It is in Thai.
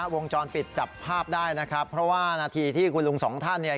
วงจรปิดจับภาพได้นะครับเพราะว่านาทีที่คุณลุงสองท่านเนี่ย